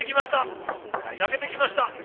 「焼けてきました。